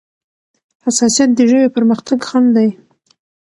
حساسيت د ژبې پرمختګ خنډ دی.